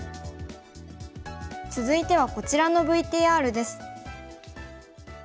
続いてはこちらのＶＴＲです。